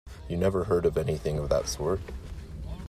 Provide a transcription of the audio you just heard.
You never heard of anything of that sort?